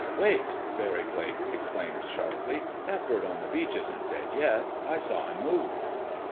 "Wait!" Barry Blake exclaimed sharply. "That bird on the beach isn't dead yet. I saw him move."